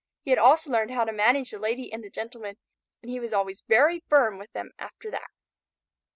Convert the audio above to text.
He had also learned how to manage the Lady and the Gentleman, and he was always very firm with them after that.